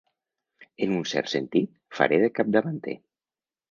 En un cert sentit, faré de capdavanter.